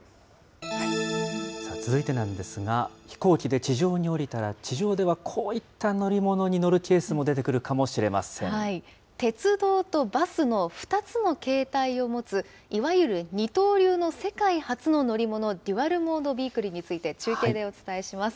続いてなんですが、飛行機で地上に降りたら、地上ではこういった乗り物に乗るケース鉄道とバスの２つの形態を持つ、いわゆる二刀流の世界初の乗り物、デュアル・モード・ビーグルについて、中継でお伝えします。